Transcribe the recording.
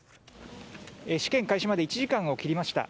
試験開始まで１時間を切りました。